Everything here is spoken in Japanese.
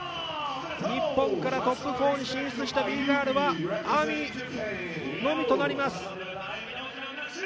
日本からトップ４に進出したＢ−ＧＩＲＬはＡＭＩのみとなります。